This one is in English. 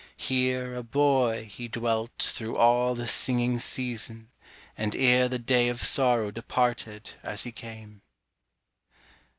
Here, a boy, he dwelt through all the singing season And ere the day of sorrow departed as he came.